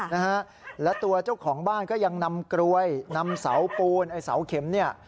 นะฮะและตัวเจ้าของบ้านก็ยังนำกรวยนำเสาปูนไอ้เสาเข็มเนี่ย